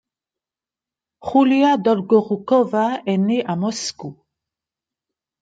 Julia Dolgorukova est née à Moscou.